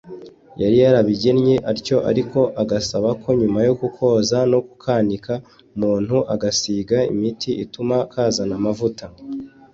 yari yarabigennye atyo ariko agasaba ko nyuma yo kukoza no kukanika umuntu agasiga imiti ituma kazana amavuta